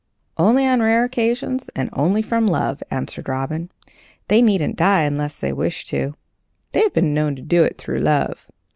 "Only on rare occasions, and only from love," answered Robin. "They needn't die unless they wish to. They have been known to do it through love.